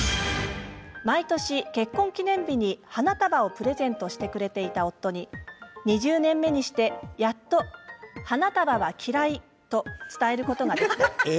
毎年、結婚記念日に花束をプレゼントしてくれていた夫に２０年目にしてやっと花束は嫌いと伝えることができました。